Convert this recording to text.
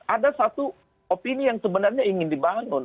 ada satu opini yang sebenarnya ingin dibangun